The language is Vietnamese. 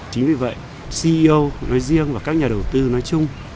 chính vì vậy ceo nói riêng và các nhà đầu tư nói chung